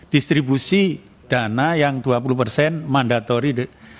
distribusi dana yang dua puluh persen mandatori